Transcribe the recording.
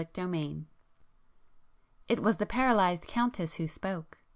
[p 158]XIV It was the paralysed Countess who spoke.